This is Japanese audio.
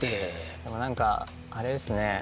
でも何かあれですね。